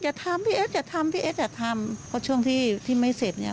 อย่าทำพี่เอ็ดอย่าทำพี่เอ็ดอย่ายังทำเพราะช่วงที่ที่ไม่เสพนี้